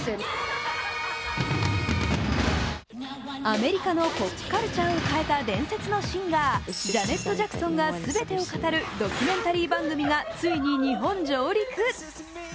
アメリカのポップカルチャーを変えた伝説のシンガー、ジャネット・ジャクソンが全てを語るドキュメンタリー番組がついに日本上陸。